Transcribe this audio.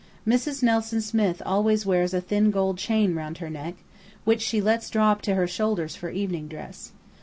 Mrs. Nelson Smith always wears a thin gold chain round her neck, which she lets drop to her shoulders for evening dress.